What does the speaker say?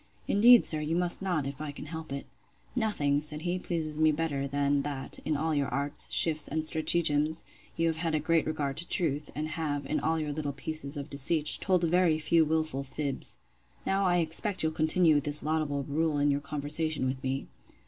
Indeed, sir, you must not, if I can help it. Nothing, said he, pleases me better, than that, in all your arts, shifts, and stratagems, you have had a great regard to truth; and have, in all your little pieces of deceit, told very few wilful fibs. Now I expect you'll continue this laudable rule in your conversation with me.